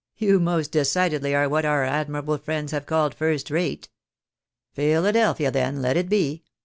" You most decidedly are what our admirable friends have called first rate. Philadelphia, then, let it be.